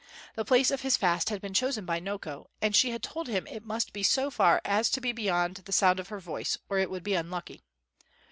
The place of his fast had been chosen by Noko, and she had told him it must be so far as to be beyond the sound of her voice or it would be unlucky.